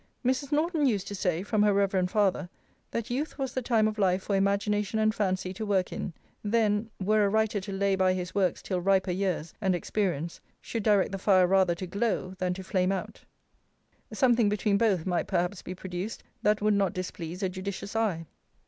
Mrs. Norton used to say, from her reverend father, that youth was the time of life for imagination and fancy to work in: then, were a writer to lay by his works till riper years and experience should direct the fire rather to glow, than to flame out; something between both might perhaps be produced that would not displease a judicious eye.